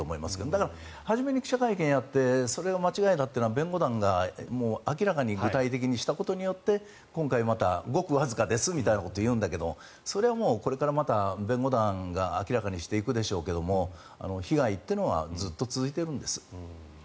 だから、初めに記者会見をやってそれが間違いだっていうのは弁護団が明らかに具体的にしたことによって今回、またごくわずかですみたいなことを言うけれどそれはもう、これからまた弁護団が明らかにしていくでしょうが被害というのはずっと続いているんです。